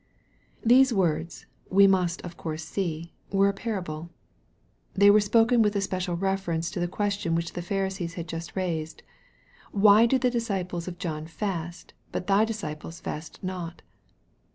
These words, we must of course see, were a parable. They were spoken with a special reference to the question which the Pharisees had just raised :" Why do the disciples of John fast, but thy disciples fast not